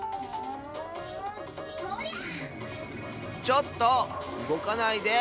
ちょっとうごかないで！